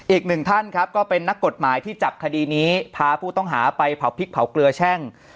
อีกหนึ่งท่านครับก็เป็นนักกฎหมายที่จับคดีนี้พาผู้ต้องหาไปเผาพริกเผาเกลือแช่ง